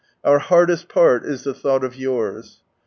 Our hardest part is the thought of yours.